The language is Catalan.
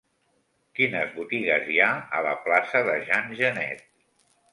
Quines botigues hi ha a la plaça de Jean Genet?